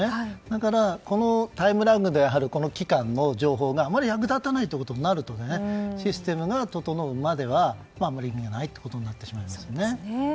だから、このタイムラグだとこの期間の情報があまり役立たないことになるとシステムが整うまではあまり意味はないということになってしまいますね。